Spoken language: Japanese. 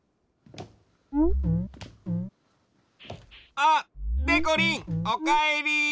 あっでこりんおかえり！